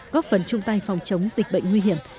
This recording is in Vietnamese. góp phần chung tay phòng chống dịch bệnh nguy hiểm